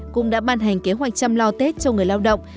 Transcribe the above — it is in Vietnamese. cũng đã ban hành kế hoạch chăm lo tết cho người lao động